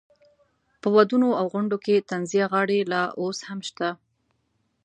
په ودونو او غونډو کې طنزیه غاړې لا اوس هم شته.